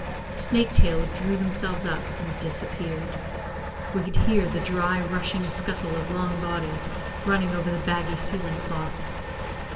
The snake tails drew themselves up and disappeared. We could hear the dry rushing scuttle of long bodies running over the baggy ceiling cloth.